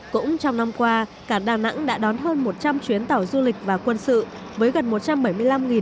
cũng trong năm qua cảng đà nẵng đã đón hơn một trăm linh chuyến tàu du lịch và quân sự với gần một trăm bảy mươi năm lượt khách và thuyền viên